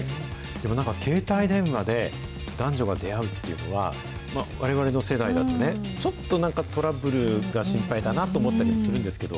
でもなんか携帯電話で、男女が出会うっていうのは、われわれの世代だとね、ちょっとなんかトラブルが心配だなと思ったりするんですけど。